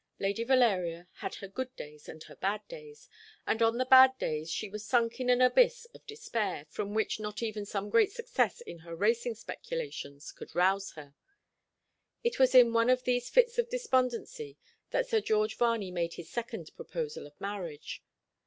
Lady Valeria had her good days and her bad days; and on the bad days she was sunk in an abyss of despair, from which not even some great success in her racing speculations could rouse her. It was in one of these fits of despondency that Sir George Varney made his second proposal of marriage.